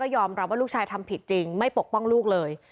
ยอมรับว่าลูกชายทำผิดจริงไม่ปกป้องลูกเลย